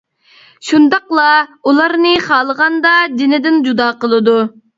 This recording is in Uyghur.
شۇنداقلا، ئۇلارنى خالىغاندا جېنىدىن جۇدا قىلىدۇ.